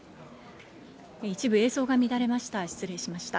一部映像が乱れました。